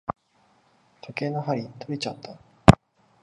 時計の針とれちゃった。